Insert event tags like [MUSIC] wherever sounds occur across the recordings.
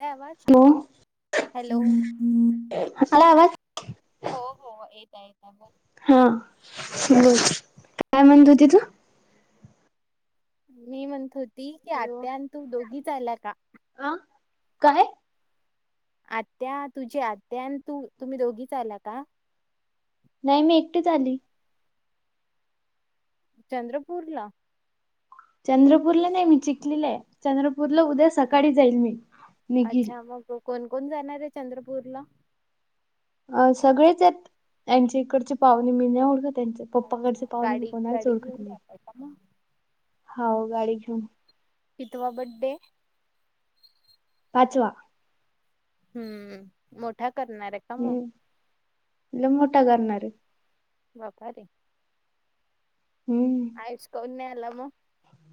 गावात hello. Hello. [UNINTELLIGIBLE] आला आवाज? हो हो, येता येता बोल. हा, काय म्हणत होती तू? मी म्हणत होती की, हॅलो आत्या आणि तू दोघीच आला का? आ काय? आत्या, तुझी आत्या आणि तू तुम्ही दोघीच आला का? नाही मी एकटीच आली. चंद्रपूरला? चंद्रपूरला नाही मी चिकलीलाय. चंद्रपूरला उद्या सकाळी जाईल मी, निघील. कोण कोण जाणारे चंद्रपूरला? अ सगळेच आहेत, त्यांची इकडची पाहुणे मीन ओळख त्यांच्यात. पप्पा कडचे पाहूने मी कोणालाच ओळखत नाही. हाव गाडी घेऊन. कितवा बड्डे? पाचवा. हम्म, मोठा करणारे. हम्म, लई मोठा करणारे. बापा रे. हम्म आयच कोण नाही आला मग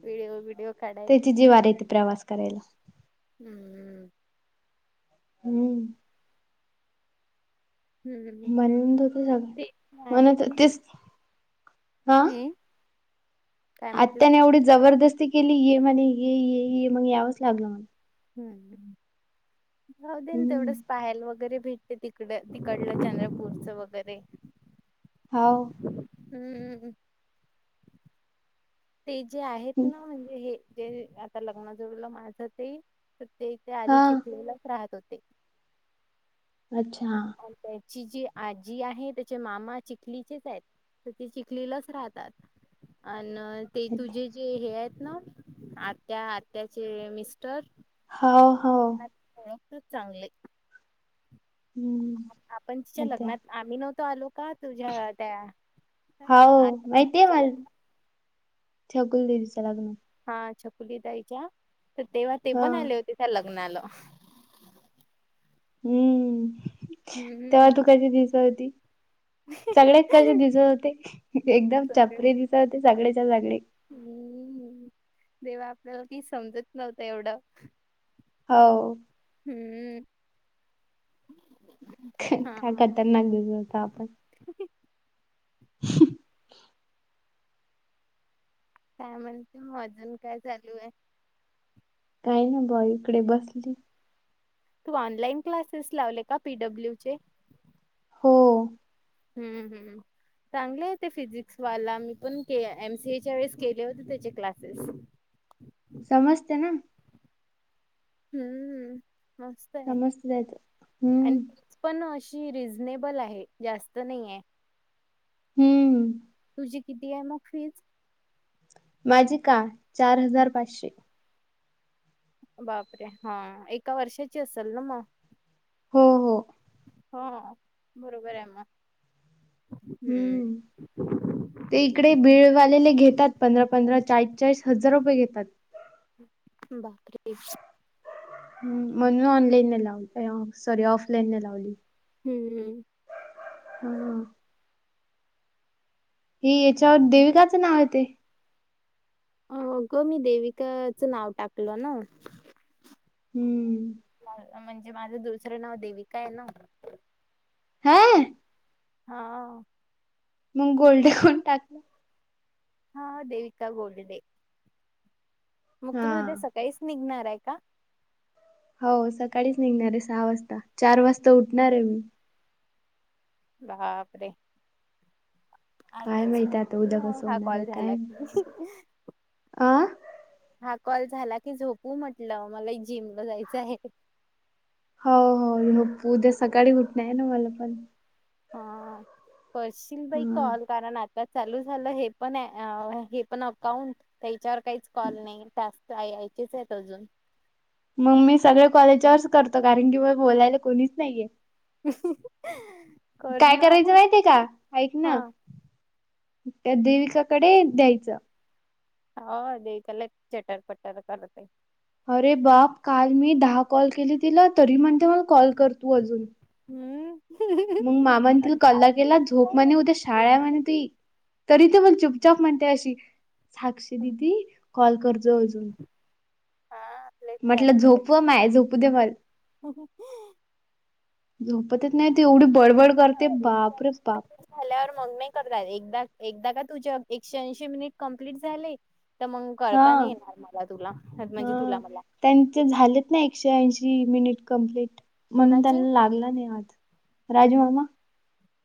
व्हिडीओ, बीडीओ काढा किती जीवावर येती प्रवास करायला. हम्म. हं. म्हणून [UNINTELLIGIBLE] हा हम्म. आत्याने एवढी जबरदस्ती केली ये म्हणे, ये ये ये मग यावच लागलं मला. हम्म, जाऊ देन हम्म तेवढंच पायल वगैरे भेटते ती हीकड तिकडलं चंद्रपूरच वगैरे हो. हम्म. ते जे आहेत हम्म, ना म्हणजे हे जे आता लग्न जोडलं माझं ते ते ते आधी हा चिखलीलाच राहत होते. अच्छा. त्याची जी आजी आहे, त्याचे मामा चिखलीचेच आहेत. ते चिखलीलाच राहतात अन् ते अच्छा. तुझे जे हे आहेत ना आत्या आत्याचे मिस्टर. हां हां. [UNINTELLIGIBLE] चांगले हम्म आपण तिच्या अच्छा लग्नात आम्ही नव्हतो आलो का तुझ्या त्या हाव माहिती आहे मला, छकुली दीदीच्या लग्नात. हा छकुली ताईच्या, तर तेव्हा ते हा पण आले होते त्या लग्नाला. हम्म तेव्हा तू कशी दिसाय होती? सगळेच कसे दिसत होते, एकदम चपरी दिस होते सगळेच्या सगळे. तेव्हा आपल्याला की समजत नव्हत एवढं. हो. हम्म. ख काय खतरनाक दिसत होतो आपण. [UNINTELLIGIBLE] काय म्हणते मग, अजून काय चालू हाय? काही नाही बुवा इकडे बसली. तू ऑनलाईन क्लासेस लावले का पी डब्ल्यू चे? हो. हम्म हम्. चांगले हाय ते फिजिक्सवाला मी पण के एम सी ए च्या वेळेस केले होते त्याचे क्लासेस. समजते ना. हम्म हम्म मस्त हाय समजत त्याच हम्म आणि फी पण अशी रिझनेबल आहे जास्त नाही हाय. हम्म हम्म. तुझी किती हाय मग फीज? माझी का चार हजार पाचशे. बापरे! हा एका वर्षाची असेल ना मग. हो हो. हा बरोबर आहे म हम्म. ते इकडे बिळगालेले घेतात पंधरा पंधरा चाळीस चाळीस हजार रुपये घेतात. बापरे! हम्म म्हणून ऑनलाईन नाही लावली सॉरी ऑफलाईन नाही लावली. हिवले हा. ही हेच्यावर देविकाचं नाव येतयं हो गं मी देविकाचं नाव टाकल ना. हम्म. म्हणजे माझं दुसरं नाव देविका आहे ना. हांय- हां. मग गोल्डे म्हणून टाकं. हा देविका गोडडे. मग हा तुम्ही उद्या सकाळीच निघणार आहे का? हो सकाळीच निघणार आहे सहा वाजता चार वाजता उठणार आहे मी. बापरे! काय आताच माहित आता उद्या कसं हा होणार आहे कॉल काय झाला की. अ हा कॉल झाला की झोपू म्हटलं. मला जिमला जायचायं. हो हो. उद्या सकाळी उठण आहे ना, मला पण. हा करशील बाई हा कॉल कारण आता चालू झालं, हे पण आं हे पण अकाउंट त्याइच्यावर काहीच कॉल नाही, टास्क यायचेच हेत अजून. मग मी सगळे कॉल येच्यावरच करतो. कारण की, मग बोलायला कोणीच नाहीये. काय करायचं माहितेयं का? ऐक ना. त्या देविकाकडे द्यायचं. हो देविका लयी चटर पटर करते. अरे बाप! काल मी दहा कॉल केली तिला, तरी म्हणते मला कॉल कर तू अजून. हुं. मग मामांनी तिली कल्ला केेला, झोप म्हणे उद्या शा ळा हाय म्हणे तुई, तरी ती म्हणे चुपचाप म्हणते अशी साक्षी दिदी कॉल करजो अजून. हां. म्हटलं झोप ओ माय, झोपू दे मल [INAUDIBLE] झोपतच नाय ती. एवढी बडबड करते बाप रे बाप! झाल्यावर मग नाही करता येत. एकदा एकदा का तुझे एकश्याऐंशी मिनीट कंप्लीट झाले तर मग करता हा. नाही येणार मला तुला म्हणजे हा तुला मला. त्यांचे झालेत ना, एकशे ऐंशी मिनिट कंप्लीट म्हणून त्यांना लागला नायी आज. राजू मामा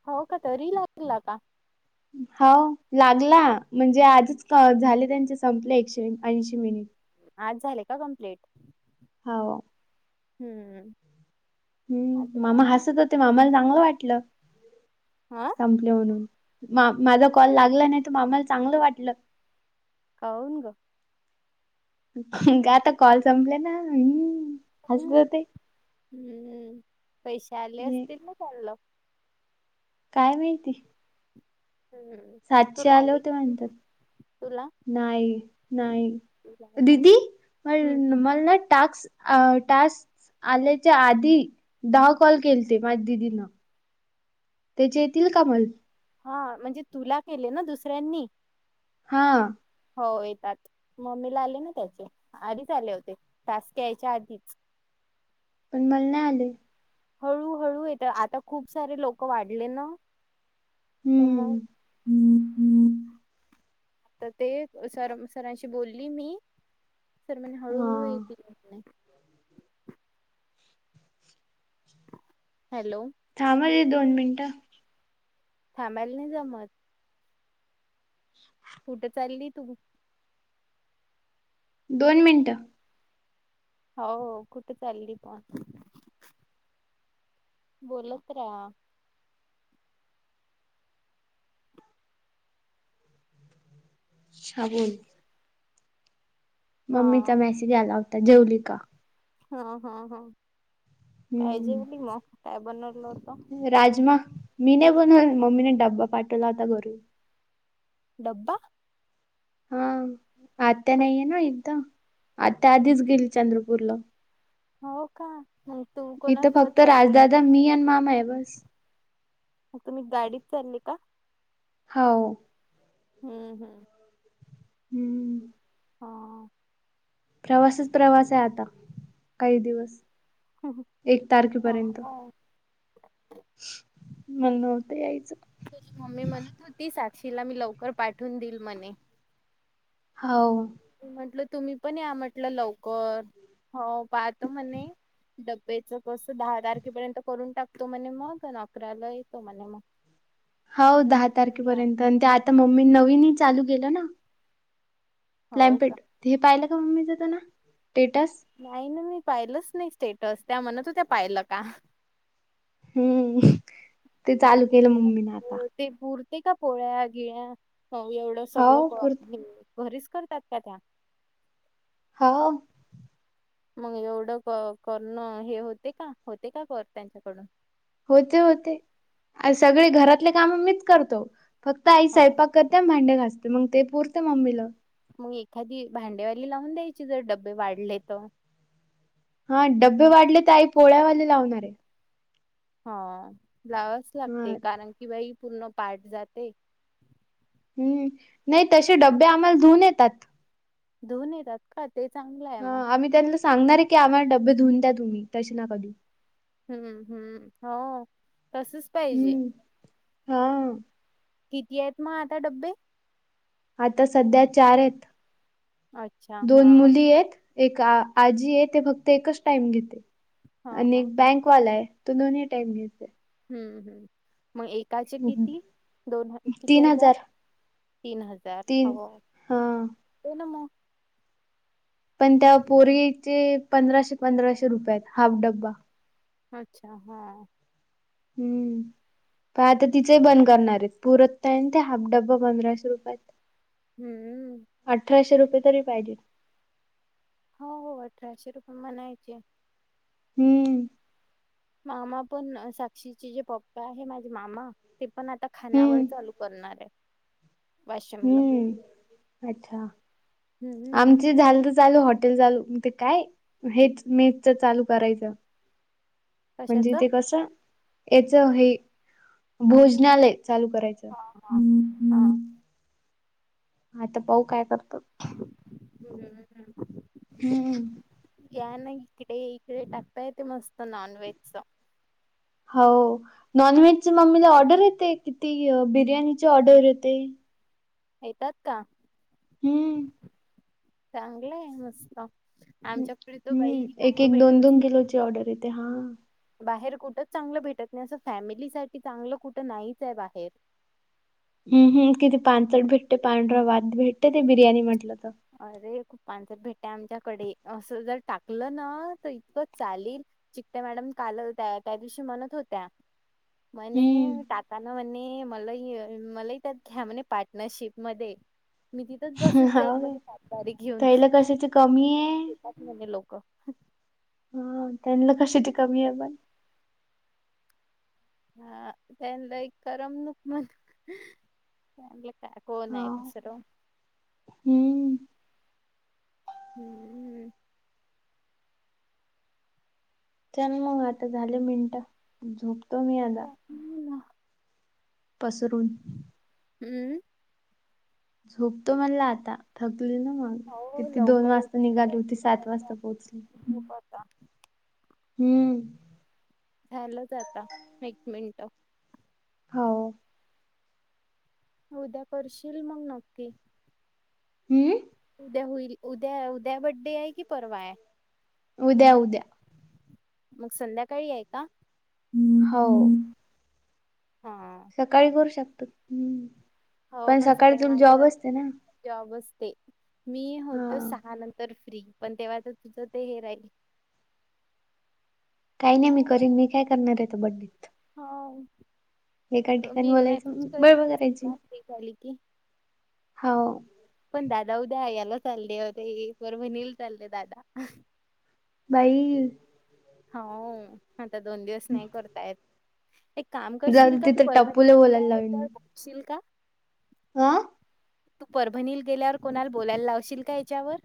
हो का तरी लागला का? हाव लागला म्हणजे आजच झाले त्यांचे संपले एकशे ऐंशी मिनिट. आज झाले का कंप्लीट? हाव. हुं. हुं मामा हसत होते. मामाला चांगलं वाटलं. आं. संपले म्हणून मा माझा कॉल लागला नाय तर, मामाला चांगलं वाटलं. काऊन गं? का तर कॉल संपले ना? हं हसत होते. हुं. पैसे आले हे, असतील ना त्यानंला? काय माहीती? सातशे आले होते म्हणतात. नाही नाही. दीदी म मलाट टाक्स अ टास्क आल्याच्या आधी, दहा कॉल केलते माझ्या दिदीनं. तेचे येतील का मल? हा म्हणजे तुला केले ना दुसऱ्यांनी? हा. हो येतात. मम्मीला आले ना त्याचे, आधीच आले होते. टास्क यायच्या आधीच. पण मला नाही आले. हळूहळू येत. आता खूप सारे लोक वाढले न. तम मग हम्म हम् ते सर सरांशी बोलली मी. सर म्हणे हळूहळू हा येतील. हॅलो थांबा की दोन मिनिटं. थांबायला नाही जमत कुठं चालली तू दोन मिनटं. हा हा कुठे चालली पण बोलत राहा. बोल [INAUDIBLE] मम्मीचा मेसेज आला होता जेवली का? हा हा हा काय जेवली हम्म मग काय बनवलं होत. राजमा मी नाही बनव मम्मीने डब्बा पाठवला होता घरून डब्बा. हा आत्या नाहीये इथ आत्या आधीच गेली चंद्रपूरला. हो का. इथं फक्त राजदादा मी आणि मामा आहे बस, ग तुम्ही गाडीत चालले का. हा. हम्म हम्म हम्म हा प्रवासच प्रवास आहे आता काही दिवस एक तारखेपर्यंत. नव्हतं [INAUDIBLE] तुझी मम्मी म्हणत होती साक्षीला मी लवकर पाठवून दिल मने, हो म्हटलं तुम्ही पण या म्हटलं लवकर हो पाहतो म्हणे. डब्बेच कसं दहा तारखेपर्यंत करून टाकतो म्हणे मग आणि अकराला येतो म्हणे मग. ह [INAUDIBLE] हो दहा तारखेपर्यंत आणि ते आता मम्मीन नवीनही चालू केेलं ना. लॅमपेड हे पाहिलं का मम्मीच तुन स्टेटस. नाही ना मी पाहिलंच नाही स्टेटस त्या म्हणत होत्या पाहिलं का. हम्म ते चालू केलं मम्मीन आता. ते पुरते का पोळ्या गिळ्या हो एवढं सगळं हाव पुर करून. घरीच करतात काय आता. हा मग एवढं क करणं हे होते का होते का कर त्यांच्याकडून. होते होते सगळे घरातले काम मीच करतो फक्त आई स्वयंपाक क त्या भांडे्या घासते मग ते पुरते मम्मीला. मग एखादी भांडेवारी लावून द्यायची जर डब्बे वाढले तर हा डब्बे वाढले तर आई पोळ्यावाले लावणार आहे. हा लावाच हा लागते कारण की बाई पूर्ण पाठ जाते. हम्म नाही तसे डबे आम्हाला धुऊन येतात. धुन येतात का ते चांगलं आहे ह मग. आम्ही त्यांना सांगणार आहे की आम्हा डबे धुन द्या तुम्ही तसे ना कधी. हम्म हम्म हो तसच पाहिजे. हम्म हा किती आहेत मग आता डब्बे? आता सध्या चार आहेत दोन मुली हेत एक आ आजी आहे ते फक्त एकच टाइम घेते आणि एक बँक कॉल आहे तो दोनही टाईम घ्यायचाय. हम्म हम्म मग एकाचे किती दोन ह किती हजार? तीन हजार तीन हो हा ते ना म, पण त्या पोरीचे पंधराशे पंधराशे रुपय आहेत हाफ डब्बा. अच्छा हा हम्म प आता तिचही बंद करणार आहेत पुरत तेन ते हाफ डबबा पंधराशे रुपयात. हम्म अठराशे रुपये तरी पाहिजे. हो हो अठराशे रुपये म्हणायचे. हम्म मामा पण साक्षीचे जे पप्पा आहे माझे मामा ते पण आता खानावळ हम्म चालू करणार आहे. हम्म अच्छा, आम च झालं तर चालू हॉटेल चालू ते काय हेच मेसच चालू करायचं. [INAUDIBLE] म्हणजे ते कसं याच हे भोजनालय चालू करायचं. हा हा आता पाऊ काय करतो. [UNINTELLIGIBLE] हम्म या ना इकडे इकडे टकता येतय मस्त नॉन व्हेजच. हाव नॉनव्हेजची मम्मीला ऑर्डर येते किती बिर्याणीची ऑर्डर येते? येतात का? हम्म चांगलं आहे मस्त. हम्म आमच्याकडे त बाई हम्म. एक चांगलं एक दोन भेटतच दोन नाही किलोची तिथ. ऑर्डर येते हा बाहेर कुठंच चांगलं भेटत नाही असं फॅमिलीसाठी चांगलं कुठं नाहीच हे बाहेर. हम् हम किती पानचट भेटते पांढर भात भेटते ते बिर्याणी म्हटलं तर, अरे खूप पांचट भेटते आमच्याकडे असं जर टाकलं ना तर इतकं चालेल चिकत्या मॅडम काल त्या त्या दिवशी म्हणत होत्या म्हणे हम्म टाक म्हणेणे मला मलाही त्यात घ्या म्हणे पार्टनरशिप मधे मी तिथंच बसत जाईन हो म्हज काय सात बारी घेऊन त्याला कशाची कमी आहे [UNINTELLIGIBLE] म्हणे लोक. हा त्यांला कशाची कमी आहे पण, हा त्यान एक करमनुक म्हण. फला काय कोन हा आहे दुसर, हम्म हम्म हम्म चल मग आता झाले मिनटं झोपतो मी आता. पसरून हम्म झोपतो म्हणल आता थकली ना मग. तिथी दोन वाजता निघाली होती सात वाजता पोहोचली. बघू आता हम्म. झालंच आता एक मिनट. हो. उद्या करशील मग नक्की? अं उद्या होईल उद्या उद्या बड्डे आहे कि परवा आहे? उद्या उद्या. मग संध्याकाळी आहे का? हम्म. हो. हा. सकाळी करू शकतात. हम्म. पण सकाळी तूला जॉब असते ना? जॉब असते. मी होते हा सहा नंतर फ्री पण तेव्हा तर तुझं ते हे राहीले काही नाही मी करीन मी काय करणार आहेे त्या बड्डेत. हो. एका ठिकाणी मी मेसेज बोलायचं बडबड करीलच करायची फ्री झाली की. हो. पण दादा उद्या याला चालले होते परभणीला चालले दादा. बाई. हो. आता दोन दिवस नाही करता येत. एक काम जाऊ करशील का दे तू तिथं टप्पूला बोलायला परभणी [UNINTELLIGIBLE] का? आं तू परभणीला गेल्यावर कोणाला बोलायला लावशील का ह्याच्यावर?